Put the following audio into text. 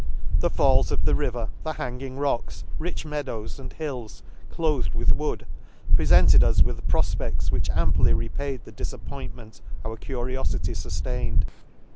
— The falls of the river, the hanging rocks, rich meadows, and hills cloathed with wood, prefented us with profpedls which amply repaid the difappointment our curiofity fuftained.